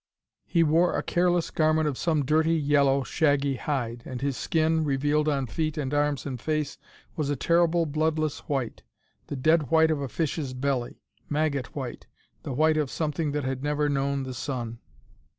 He wore a careless garment of some dirty yellow, shaggy hide, and his skin, revealed on feet and arms and face, was a terrible, bloodless white; the dead white of a fish's belly. Maggot white. The white of something that had never known the sun.